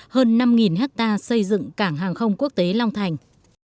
hơn năm hectare xây dựng cảng hàng không quốc tế long thành